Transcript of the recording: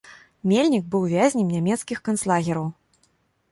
Мельнік быў вязнем нямецкіх канцлагераў.